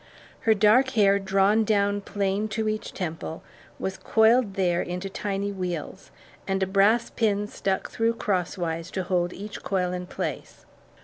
Her dark hair drawn down plain to each temple was coiled there into tiny wheels, and a brass pin stuck through crosswise to hold each coil in place.